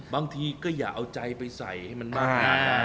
บางทีก็อย่าเอาใจไปใส่ให้มันมาก